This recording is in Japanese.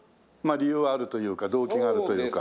理由はあるというか動機があるというか。